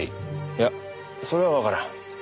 いやそれはわからん。